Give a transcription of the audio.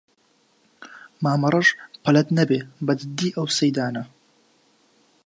مامەڕەش پەلەت نەبێ بە جەددی ئەو سەیدانە